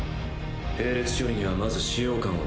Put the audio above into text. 並列処理にはまず使用感を。